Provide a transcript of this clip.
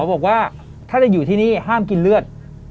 บอกว่าถ้าจะอยู่ที่นี่ห้ามกินเลือด